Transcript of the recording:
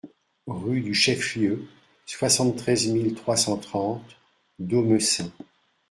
Rue du Chef-Lieu, soixante-treize mille trois cent trente Domessin